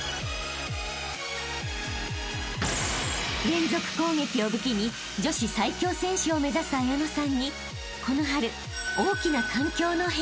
［連続攻撃を武器に女子最強選手を目指す彩乃さんにこの春大きな］